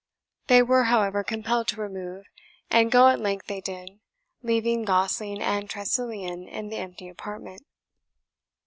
They were, however, compelled to remove; and go at length they did, leaving Gosling and Tressilian in the empty apartment.